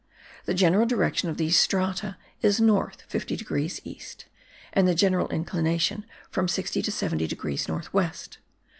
The general direction of these strata is north 50 degrees east, and the general inclination from 60 to 70 degrees north west.